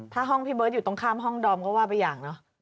ถ้าห้องพี่เบิร์ตอยู่ตรงข้ามห้องดอมก็ว่าไปอย่างเนอะ